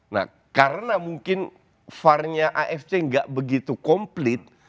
nah karena mungkin varnya afc nggak begitu komplit